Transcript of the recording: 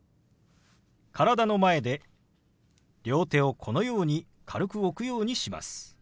体の前で両手をこのように軽く置くようにします。